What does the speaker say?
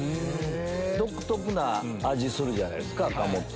独特な味するじゃないですか鴨って。